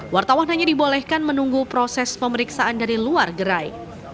wartawan hanya dibolehkan menunggu proses pemeriksaan dari luar gerai